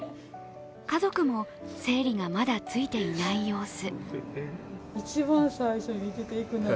家族も整理がまだついていない様子。